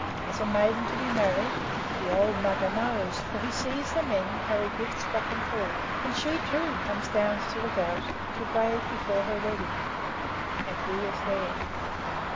Is a maiden to be married? The old Mugger knows, for he sees the men carry gifts back and forth; and she, too, comes down to the Ghaut to bathe before her wedding, and he is there.